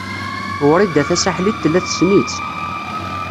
Wrida Tasaḥlit tella tessen-itt.